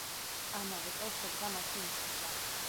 ამავე წელს შედგა მათი ნიშნობა.